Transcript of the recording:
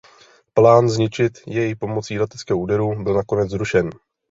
Plán zničit jej pomocí leteckého úderu byl nakonec zrušen.